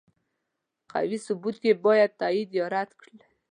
قوي ثبوت یې باید تایید یا رد کړي.